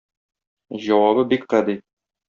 Җавабы бик гади.